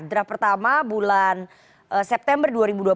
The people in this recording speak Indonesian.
draft pertama bulan september dua ribu dua puluh